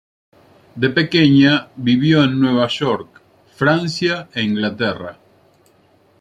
De pequeña, vivió en Nueva York, Francia e Inglaterra.